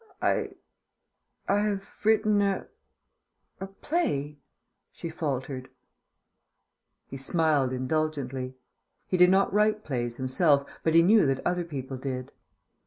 "I I have written a a play," she faltered. He smiled indulgently. He did not write plays himself, but he knew that other people did.